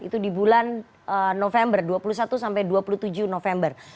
itu di bulan november dua puluh satu sampai dua puluh tujuh november